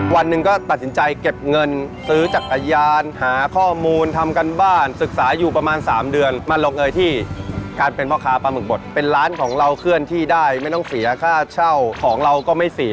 วันหนึ่งก็ตัดสินใจเก็บเงินซื้อจักรยานหาข้อมูลทำการบ้านศึกษาอยู่ประมาณ๓เดือนมาลงเอยที่การเป็นพ่อค้าปลาหมึกบดเป็นร้านของเราเคลื่อนที่ได้ไม่ต้องเสียค่าเช่าของเราก็ไม่เสีย